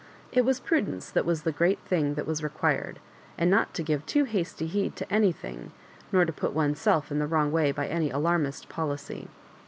It was prudence that' was the great thing that was required, and not to give too hasty heed to anything, nor to put one^s self in the wrong by any alarmist policy.